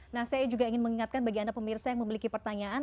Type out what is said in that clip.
nah saya juga ingin mengingatkan bagi anda pemirsa yang memiliki pertanyaan